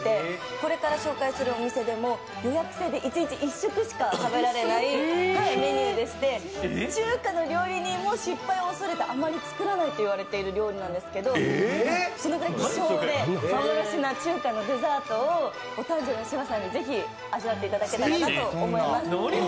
これから紹介するお店でも予約制で一日１食しか食べられないメニューでして、中華の料理人も失敗を恐れてあまり作らないといわれているお料理なんですけどそのくらい希少で、幻な中華のデザートをお誕生日の芝さんにぜひ味わってもらえたらなと思います。